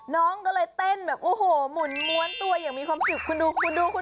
น้องก็เลยเต้นหมุนม้วนตัวขวานมีความสุขคุณดู